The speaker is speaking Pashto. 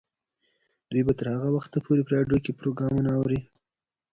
دوی به تر هغه وخته پورې په راډیو کې پروګرامونه اوري.